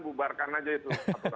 bubarkan saja itu